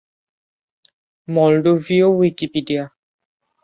মলডোভীয় Wikipedia